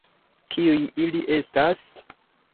Kiuj ili estas?